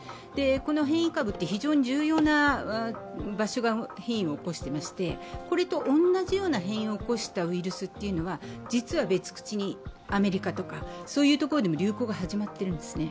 この変異株は非常に重要な場所が変異を起こしていましてこれと同じような変異を起こしたウイルスは実は別口にアメリカとか、そういうところでも流行が始まっているんですね。